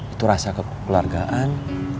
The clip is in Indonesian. itu rasa kekeluargaan